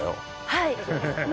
はい。